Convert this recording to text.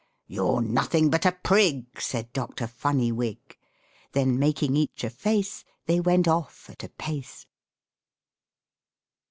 "You're nothing but a prig!" Said Dr. Funnywig. Then, making each a face, They went off at a pace.